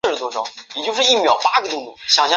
山西丙子乡试。